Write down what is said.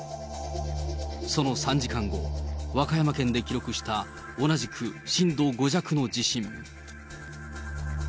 その３時間後、和歌山県で記録した同じく震度５弱の地震。